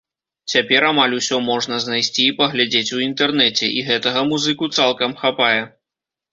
Цяпер амаль усё можна знайсці і паглядзець у інтэрнэце, і гэтага музыку цалкам хапае.